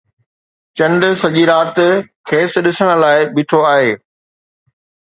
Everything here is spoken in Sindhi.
چنڊ سڄي رات کيس ڏسڻ لاءِ بيٺو آهي